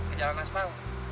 ke jalan aspal